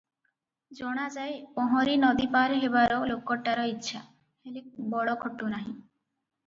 ଜଣାଯାଏ ପହଁରି ନଦୀପାର ହେବାର ଲୋକଟାର ଇଚ୍ଛା, ହେଲେ ବଳ ଖଟୁ ନାହିଁ ।